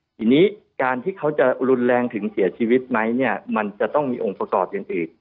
ทีนี้การที่เขาจะรุนแรงถึงเสียชีวิตไหมเนี่ยมันจะต้องมีองค์ประกอบอย่างอื่น